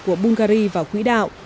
của bungary vào quỹ đạo